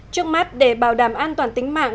trước mắt để bảo đảm an toàn tính mạng